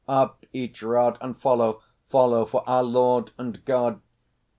Up, each rod And follow, follow, for our Lord and God!"